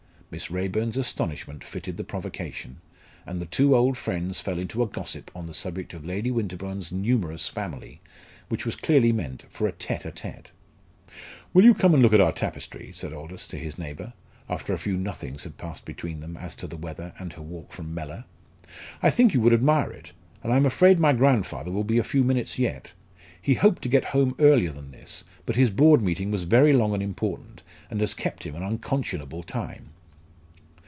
Miss Raeburn's astonishment fitted the provocation, and the two old friends fell into a gossip on the subject of Lady Winterbourne's numerous family, which was clearly meant for a tête à tête. "Will you come and look at our tapestry?" said Aldous to his neighbour, after a few nothings had passed between them as to the weather and her walk from Mellor. "I think you would admire it, and I am afraid my grandfather will be a few minutes yet. He hoped to get home earlier than this, but his Board meeting was very long and important, and has kept him an unconscionable time."